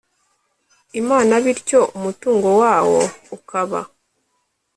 Imana bityo umutungo wawo ukaba